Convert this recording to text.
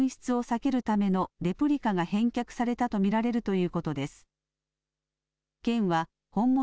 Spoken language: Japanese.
紛失を避けるためのレプリカが返却されたと見られるということです。